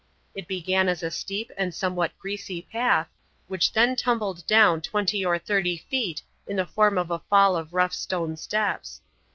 It began as a steep and somewhat greasy path, which then tumbled down twenty or thirty feet in the form of a fall of rough stone steps.